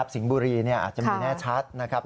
สิงห์บุรีอาจจะมีแน่ชัดนะครับ